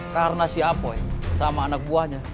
karena si apoy sama anak buahnya